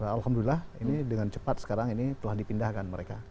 alhamdulillah ini dengan cepat sekarang ini telah dipindahkan mereka